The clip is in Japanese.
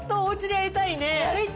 やりたい！